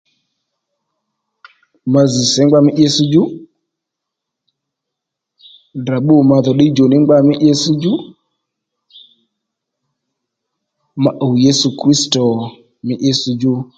Ma zz̀ sǐngba mí itsś djú Ddrà bbû ma dhò ddíydjò ní ngba mí itss djú ma ùw Yesu Kristo mí itss djú